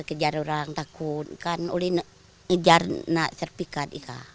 jangan kejar orang takut kan boleh ngejar anak sertifikat